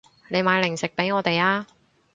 你買零食畀我哋啊